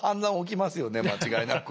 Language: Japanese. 間違いなく。